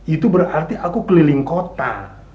itu berarti aku keliling kota